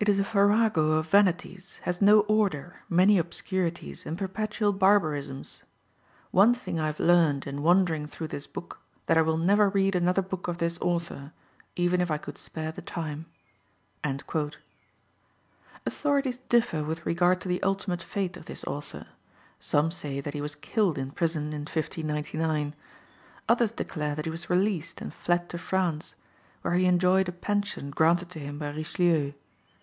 It is a farrago of vanities, has no order, many obscurities, and perpetual barbarisms. One thing I have learned in wandering through this book, that I will never read another book of this author, even if I could spare the time." Authorities differ with regard to the ultimate fate of this author. Some say that he was killed in prison in 1599; others declare that he was released and fled to France, where he enjoyed a pension granted to him by Richelieu.